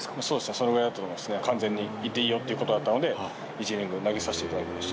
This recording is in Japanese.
それぐらいだったと思いますね、完全にいっていいよっていうことだったので、１イニング投げさせていただきました。